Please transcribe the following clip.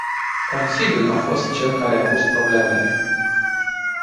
Consiliul a fost cel care a pus problemele.